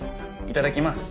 いただきます。